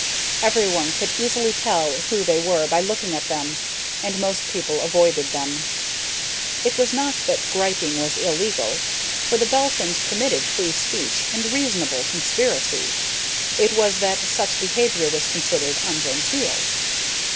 Everyone could easily tell who they were by looking at them, and most people avoided them. It was not that griping was illegal, for the Belphins permitted free speech and reasonable conspiracy; it was that such behavior was considered ungenteel.